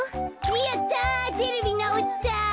やったテレビなおった。